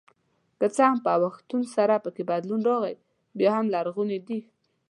که څه هم په اوښتون سره پکې بدلون راغلی بیا هم لرغوني دي.